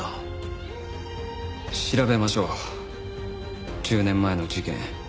調べましょう１０年前の事件。